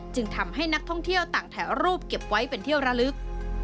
ทำให้นักท่องเที่ยวต่างถ่ายรูปเก็บไว้เป็นเที่ยวระลึก